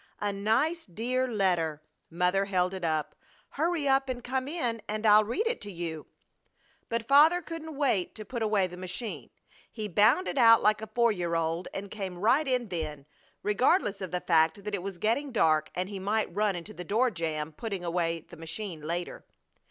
A nice, dear letter!" Mother held it up, "Hurry up and come in and I'll read it to you." But Father couldn't wait to put away the machine. He bounded out like a four year old and came right in then, regardless of the fact that it was getting dark and he might run into the door jamb putting away the machine later.